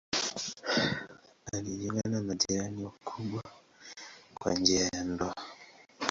Alijiunga na majirani wakubwa kwa njia ya ndoa.